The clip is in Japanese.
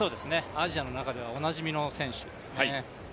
アジアの中ではおなじみの選手ですね。